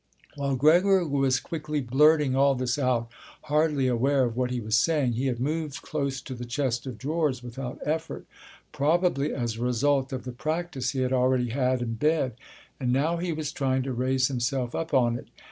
While Gregor was quickly blurting all this out, hardly aware of what he was saying, he had moved close to the chest of drawers without effort, probably as a result of the practice he had already had in bed, and now he was trying to raise himself up on it.